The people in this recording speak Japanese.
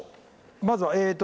まずはえっと